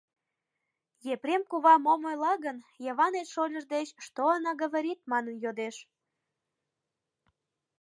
Епрем кува мом ойла гын, Йыванет шольыж деч «что она говорит?» манын йодеш.